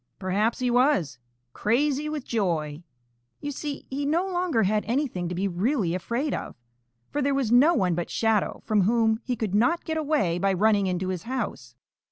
Perhaps he was crazy with joy. You see, he no longer had anything to be really afraid of, for there was no one but Shadow from whom he could not get away by running into his house.